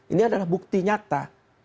ini adalah bukti nyata